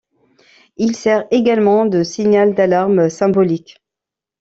Il sert également de signal d'alarme symbolique.